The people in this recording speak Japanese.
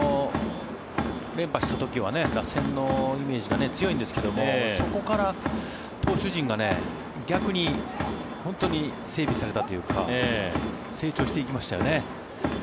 連覇した時は打線のイメージが強いんですけどもそこから投手陣が逆に本当に整理されたというか成長していきましたよね。